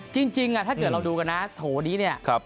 จริงถ้าเกิดเราดูกันนะโถนี้เนี่ย